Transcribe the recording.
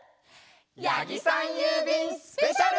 やぎさんゆうびんスペシャル！